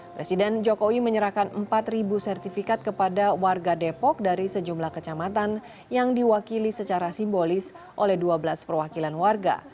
presiden jokowi menyerahkan empat sertifikat kepada warga depok dari sejumlah kecamatan yang diwakili secara simbolis oleh dua belas perwakilan warga